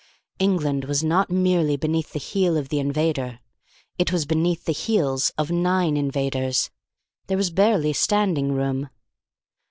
England was not merely beneath the heel of the invader. It was beneath the heels of nine invaders. There was barely standing room.